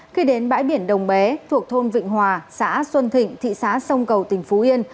khi đến bãi biển đồng bé thuộc thôn vịnh hòa xã xuân thịnh thị xã sông cầu tỉnh phú yên